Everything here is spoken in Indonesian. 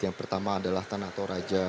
yang pertama adalah tanato raja